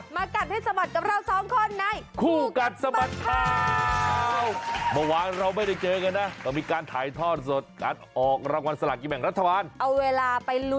มากัดให้สบัดกับเราซ้องคนใน